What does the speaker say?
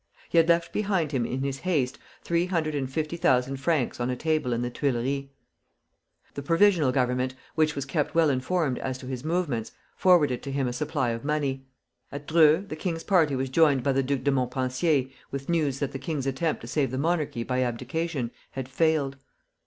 He had left behind him in his haste three hundred and fifty thousand francs on a table in the Tuileries. The Provisional Government, which was kept well informed as to his movements, forwarded to him a supply of money. At Dreux the king's party was joined by the Duke of Montpensier with news that the king's attempt to save the monarchy by abdication had failed.